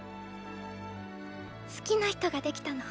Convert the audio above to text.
好きな人ができたの。